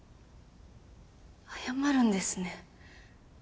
謝るんですね。